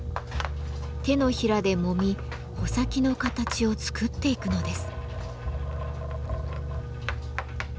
手のひらで揉み穂先の形を作っていくのです。